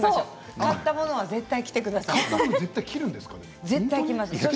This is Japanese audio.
買ったものは絶対に着てください